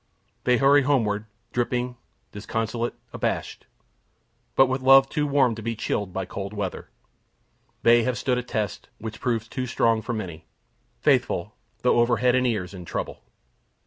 They hurry homeward, dripping, disconsolate, abashed, but with love too warm to be chilled by the cold water. They have stood a test which proves too strong for many. Faithful, though over head and ears in trouble!